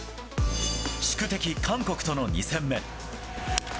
宿敵、韓国との２戦目。